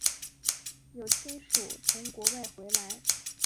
有亲属从国外回来